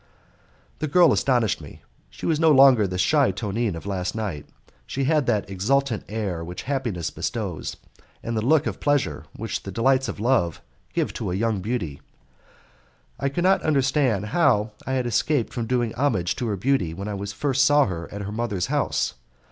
The girl astonished me. She was no longer the shy Tonine of last night; she had that exultant air which happiness bestows, and the look of pleasure which the delights of love give to a young beauty. I could not understand how I had escaped from doing homage to her beauty when I first saw her at her mother's house.